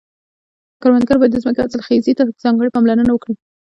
کروندګر باید د ځمکې حاصلخیزي ته ځانګړې پاملرنه وکړي.